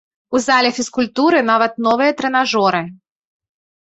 У зале фізкультуры нават новыя трэнажоры.